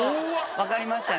分かりました。